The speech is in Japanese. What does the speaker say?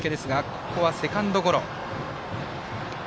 ここはセカンドゴロ。